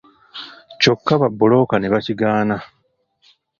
Kyokka babbulooka ne bakigaana.